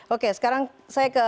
oke sekarang saya ke